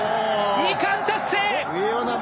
二冠達成。